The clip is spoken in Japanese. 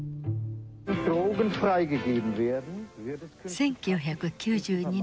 １９９２年。